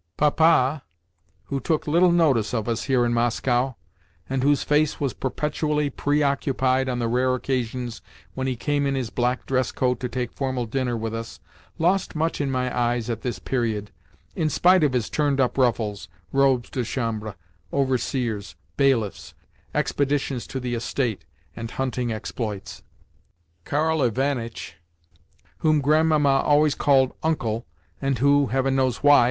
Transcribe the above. Papa, who took little notice of us here in Moscow, and whose face was perpetually preoccupied on the rare occasions when he came in his black dress coat to take formal dinner with us, lost much in my eyes at this period, in spite of his turned up ruffles, robes de chambre, overseers, bailiffs, expeditions to the estate, and hunting exploits. Karl Ivanitch—whom Grandmamma always called "Uncle," and who (Heaven knows why!)